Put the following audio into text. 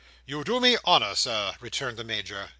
"You do me honour, Sir," returned the Major.